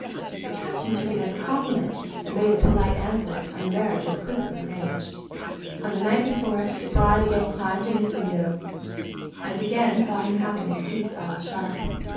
The Captain took it as a compliment, and made a polite answer, and the marriage was quickly arranged. On the night before it, the bride again climbed to his window, and again saw him having his teeth filed sharp.